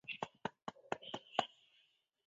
不过她也有身为小女孩的活泼可爱性格。